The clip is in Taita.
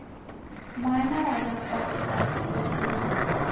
Mwana warasarigha vizozonyi.